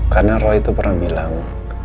karena roy itu pernah bilang